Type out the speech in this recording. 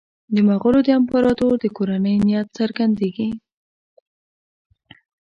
د مغولو د امپراطور د کورنۍ نیت څرګندېږي.